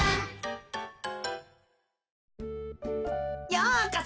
ようこそ。